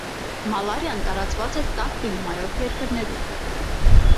Մալարիան տարածված է տաք կլիմայով երկրներում։